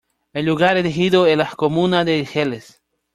El lugar elegido es la comuna de Ixelles.